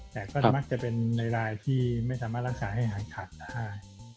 แต่ก็มักจะเป็นในรายที่ไม่สามารถรักษาให้หายขาดได้